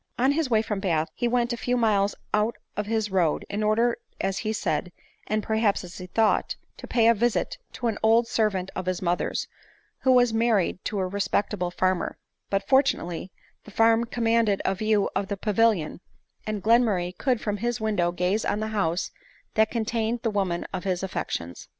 On his way from Bath he went a few miles out of bis road, in order as he said, and perhaps as he thought, to pay a visit to an old ser vant of his mother's, who was married to a respectable farmer ; but, fortunately, the farm commanded a view of the Pavilion, and Gleamurray could from his window gaze on the house that contained the woman of his af fections.